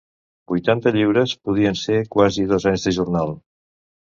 Vuitanta lliures podien ser quasi dos anys de jornal.